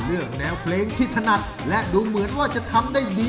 อืม